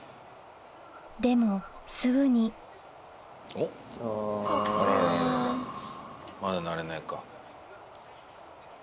でもすぐにまだなれないか。